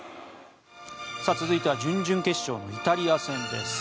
続いては準々決勝のイタリア戦です。